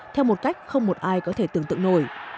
theo một cách không một ai có thể tưởng tượng nổi